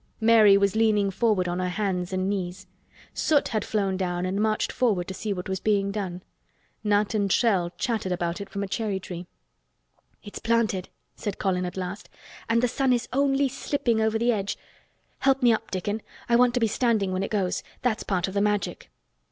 Mary was leaning forward on her hands and knees. Soot had flown down and marched forward to see what was being done. Nut and Shell chattered about it from a cherry tree. "It's planted!" said Colin at last. "And the sun is only slipping over the edge. Help me up, Dickon. I want to be standing when it goes. That's part of the Magic."